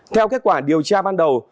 theo kết quả điều tra ban đầu